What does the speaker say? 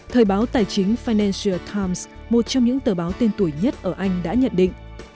thời báo tài chính financial times một trong những tờ báo tên tuổi nhất ở anh đã nhận định